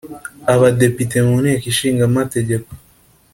Abadepite mu Nteko Ishinga Amategeko